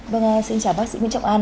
vâng xin chào bác sĩ nguyễn trọng an